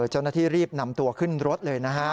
เจ้าหน้าที่รีบนำตัวขึ้นรถเลยนะฮะ